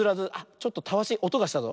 ちょっとたわしおとがしたぞ。